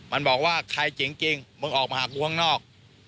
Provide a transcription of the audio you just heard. มันบอกว่าใครเจ๋งจริงมึงออกมาหากูข้างนอก